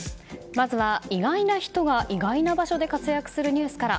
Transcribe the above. まずは意外な人が意外な場所で活躍するニュースから。